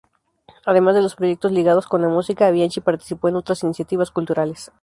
Además de los proyectos ligados con la música, Bianchi participó en otras iniciativas culturales.